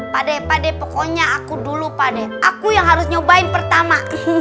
pada pada pokoknya aku dulu pada aku yang harus nyobain pertama